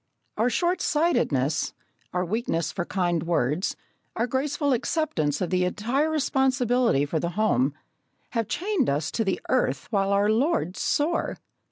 Our short sightedness, our weakness for kind words, our graceful acceptance of the entire responsibility for the home, have chained us to the earth, while our lords soar.